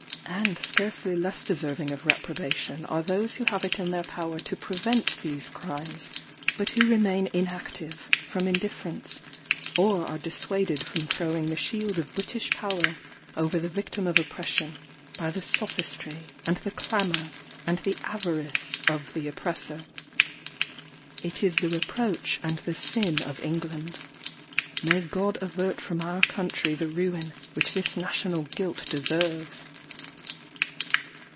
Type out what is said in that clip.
And scarcely less deserving of reprobation are those who have it in their power to prevent these crimes, but who remain inactive from indifference, or are dissuaded from throwing the shield of British power over the victim of oppression, by the sophistry, and the clamour, and the avarice of the oppressor. It is the reproach and the sin of England. May God avert from our country the ruin which this national guilt deserves!